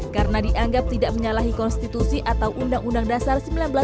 karena dianggap tidak menyalahi konstitusi atau undang undang dasar seribu sembilan ratus empat puluh lima